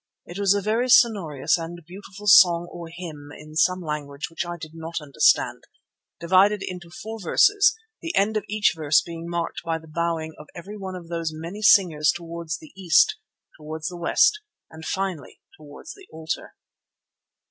It was a very sonorous and beautiful song or hymn in some language which I did not understand, divided into four verses, the end of each verse being marked by the bowing of every one of those many singers towards the east, towards the west, and finally towards the altar.